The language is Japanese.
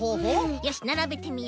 よしならべてみよう。